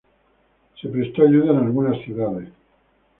Se prestó ayuda en algunas ciudades.